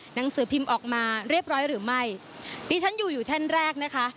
หนังสือพิมพ์ออกมาเรียบร้อยหรือไม่ดิฉันอยู่อยู่แท่นแรกนะคะ